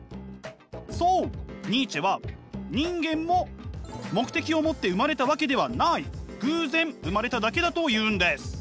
そうニーチェは人間も目的を持って生まれたわけではない偶然生まれただけだと言うんです。